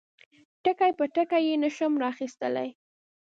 ټکي په ټکي یې نشم را اخیستلای.